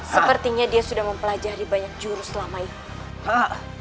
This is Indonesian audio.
sepertinya dia sudah mempelajari banyak jurus selama itu